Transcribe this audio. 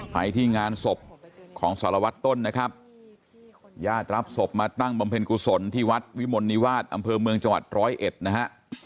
ไปที่งานศพของสารวัตต์ต้นนะครับญาติรับศพมาตั้งบำเพ็ญกุศลที่วัดวิมวรณิวาตอเมืองจตรเอ็ดนะฮะ